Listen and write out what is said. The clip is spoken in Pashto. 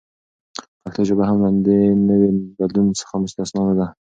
پښتو ژبه هم له دې نوي بدلون څخه مستثناء نه ده.